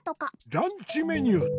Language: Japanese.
ランチメニューと。